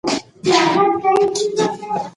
پاڼه د ونې په پښو کې تر واورو لاندې شوه.